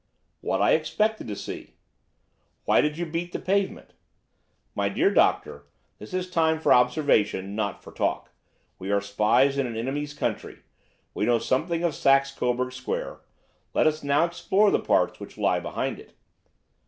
"What I expected to see." "Why did you beat the pavement?" "My dear doctor, this is a time for observation, not for talk. We are spies in an enemy's country. We know something of Saxe Coburg Square. Let us now explore the parts which lie behind it."